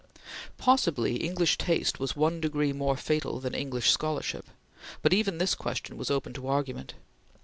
Possibly English taste was one degree more fatal than English scholarship, but even this question was open to argument.